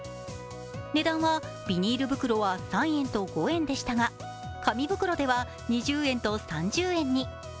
値段は、ビニール袋は３円と５円でしたが、紙袋では２０円と３０円に。